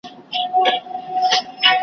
دا مي سمنډوله ده برخه مي لا نوره ده .